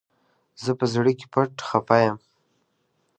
زه په زړه کي پټ خپه يم